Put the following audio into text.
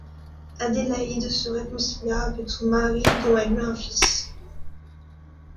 Adélaïde se réconcilia avec son mari dont elle eut un fils.